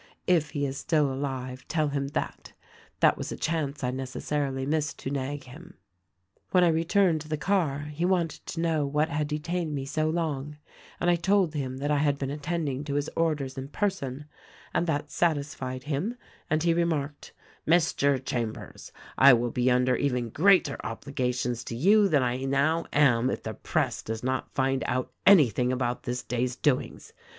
If he is still alive tell him that. That was a chance I neces sarily missed to nag him. "When I returned to the car he wanted to know what had detained me so long, and I told him that I had been attend ing to his orders in person ; and that satisfied him, and he remarked, 'Mr. Chambers, I will lx* under even greater obli gations to you than 1 now am if the Press does not find out THE RECORDING ANGEL 259 anything about this day's doings.